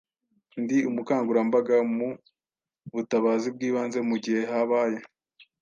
Ndi umukangurambaga mu butabazi bw’ibanze mu gihe habaye